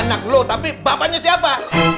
anak lu tapi bapaknya siapa